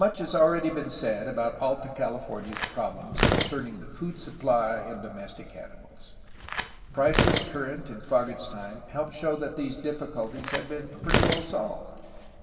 Much has already been said about Alta Cahfornia's problems concerning food supply and domestic animals. Prices current in Fages' time help to show that these difl& culties had been pretty well solved.